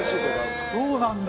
そうなんだ！